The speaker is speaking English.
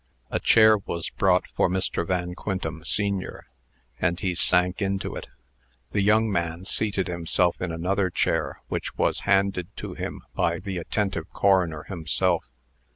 A chair was brought for Mr. Van Quintem, sen., and he sank into it. The young man seated himself in another chair which was handed to him by the attentive coroner himself.